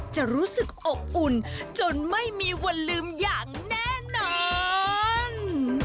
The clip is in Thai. จะรู้สึกอบอุ่นจนไม่มีวันลืมอย่างแน่นอน